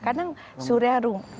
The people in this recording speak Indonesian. kadang surya dua minggu sekali